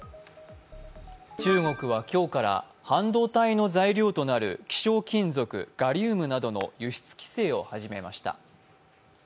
中国は今日から半導体の材料となる希少金属、ガリウムなどの輸出規制を始めました。